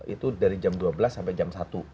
itu dari jam dua belas sampai jam satu